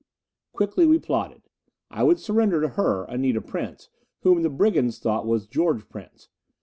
Quickly we plotted. I would surrender to her, Anita Prince, whom the brigands thought was George Prince.